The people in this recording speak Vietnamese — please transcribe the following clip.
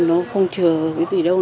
nó không chờ cái gì đâu